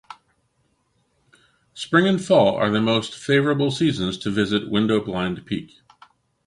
Spring and fall are the most favorable seasons to visit Window Blind Peak.